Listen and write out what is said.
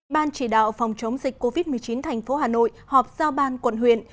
ban chỉ đạo phòng chống dịch covid một mươi chín thành phố hà nội họp giao ban quận huyện